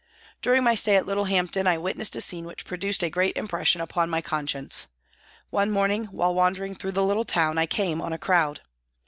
During my stay at Littlehampton I witnessed a scene which produced a great impression upon my conscience. One morning, while wandering through the little town, I came on a crowd.